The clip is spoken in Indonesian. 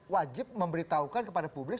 wajib memberitahukan kepada publik